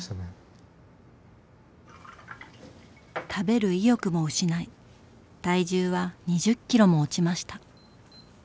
食べる意欲も失い体重は２０キロも落ちました。